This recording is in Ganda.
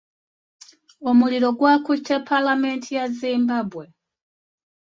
Omuliro gwakutte ppalamenti ya Zimbabwe.